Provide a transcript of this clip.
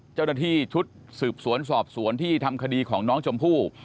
เจ้าหน้าที่ชุดสืบสวนสอบสวนที่ทำคดีของน้องชมพู่